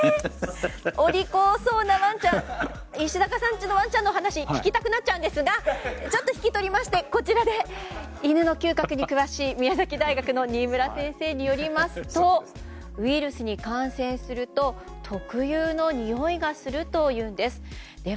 家のワンちゃんの話も聞きたくなっちゃうんですがちょっと引き取りましてこちらで、犬の嗅覚に詳しい宮崎大学の新村先生によりますとウイルスに感染すると特有の、においがするというんです。